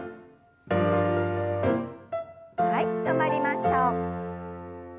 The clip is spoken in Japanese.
はい止まりましょう。